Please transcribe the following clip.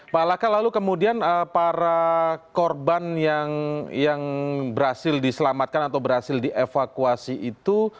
pak laka lalu kemudian para korban yang berhasil diselamatkan atau berhasil dievakuasi itu